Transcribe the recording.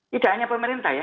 tidak hanya pemerintah ya